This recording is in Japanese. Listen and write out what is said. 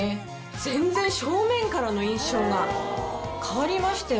全然正面からの印象が変わりましたよね。